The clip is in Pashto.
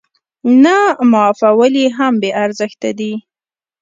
نه معافول يې هم بې ارزښته دي.